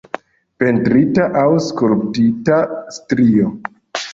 Pentrita aŭ skulptita strio.